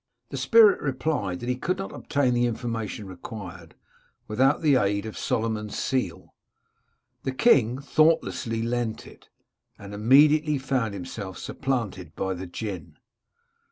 The spirit replied that he could not obtain the information required without the aid of Solomon's seal. The king thoughtlessly lent it, and immediately found himself supplanted by the Jinn.